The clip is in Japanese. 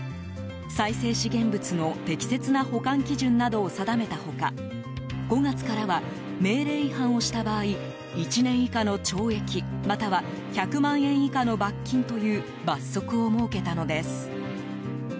再生資源物の適切な保管基準などを定めた他５月からは命令違反をした場合１年以下の懲役または１００万円以下の罰金という罰則を設けたのです。